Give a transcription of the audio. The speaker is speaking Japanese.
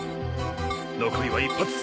残りは１発。